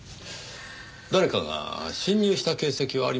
誰かが侵入した形跡はありませんか？